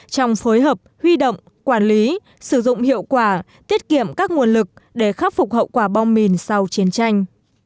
trong phối hợp huy động quản lý sử dụng hiệu quả tiết kiệm các nguồn lực để khắc phục hậu quả bom mìn sau chiến tranh